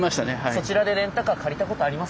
そちらでレンタカー借りたことあります